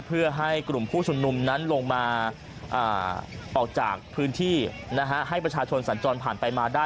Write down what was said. เพื่อให้กลุ่มผู้ชุมนุมนั้นลงมาออกจากพื้นที่ให้ประชาชนสัญจรผ่านไปมาได้